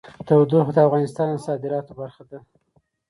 تودوخه د افغانستان د صادراتو برخه ده.